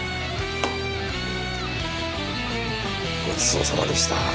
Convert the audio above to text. ごちそうさまでした。